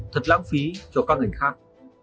thật lãng phí cho các ngành khác